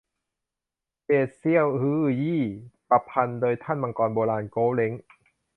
เดชเซียวฮื่อยี้ ประพันธ์โดยท่านมังกรโบราณ โกวเล้ง